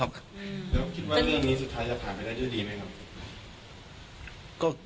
แล้วคิดว่าเรื่องนี้สุดท้ายจะผ่านไปได้ด้วยดีไหมครับ